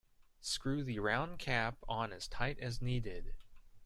Screw the round cap on as tight as needed.